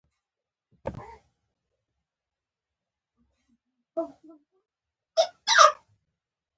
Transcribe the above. هندوانه طبیعي شکر لري.